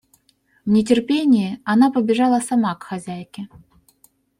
В нетерпении она побежала сама к хозяйке.